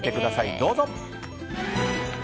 どうぞ。